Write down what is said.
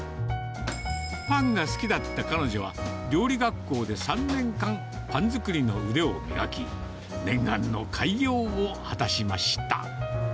パンが好きだった彼女は、料理学校で３年間、パン作りの腕を磨き、念願の開業を果たしました。